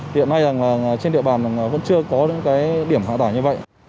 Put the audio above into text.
hiện nay trên địa bàn vẫn chưa có những điểm hạ tải như vậy